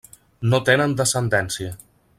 No tenen descendència.